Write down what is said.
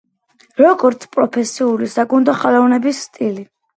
როგორც პროფესიული საგუნდო ხელოვნების სტილი.